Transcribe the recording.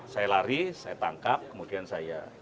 saya lari saya tangkap kemudian saya